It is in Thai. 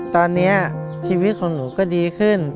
ตอนนี้ชีวิตของหนูก็ดีขึ้น